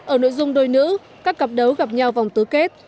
ở nội dung đôi nữ các cặp đấu gặp nhau vòng tứ kết